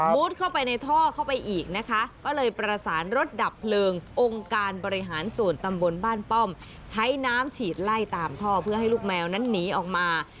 เข้าไปในท่อเข้าไปอีกนะคะก็เลยประสานรถดับเพลิงองค์การบริหารส่วนตำบลบ้านป้อมใช้น้ำฉีดไล่ตามท่อเพื่อให้ลูกแมวนั้นหนีออกมา